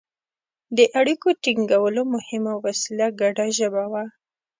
د اړیکو ټینګولو مهمه وسیله ګډه ژبه وه